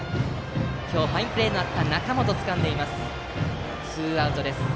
今日ファインプレーがあった中本がつかんでツーアウトです。